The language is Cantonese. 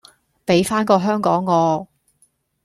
比返個香港我！